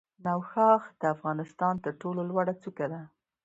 نوشاخ د افغانستان تر ټولو لوړه څوکه ده